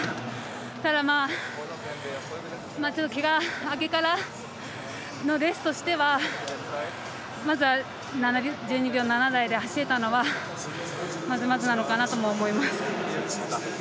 ただ、けが明けからのレースとしては１２秒７台で走れたのがまずまずなのかなと思います。